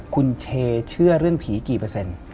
คุณเชเชื่อเรื่องผีกี่เปอร์เซ็นต์